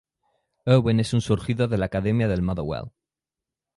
Erwin es un surgido de la Academia del Motherwell.